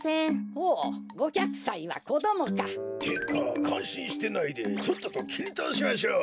ほう５００さいはこどもか。ってかかんしんしてないでとっとときりたおしましょう。